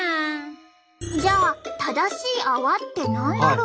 じゃあ正しい泡って何だろう？